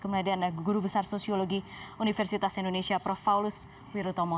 kemudian ada guru besar sosiologi universitas indonesia prof paulus wirutomo